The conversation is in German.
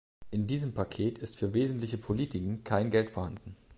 In diesem Paket ist für wesentliche Politiken kein Geld vorhanden.